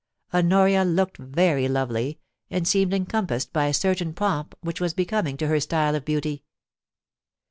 Honoria looked ver)' lovely, and seemed encom passed by a certain pomp which was becoming to her style of beauty.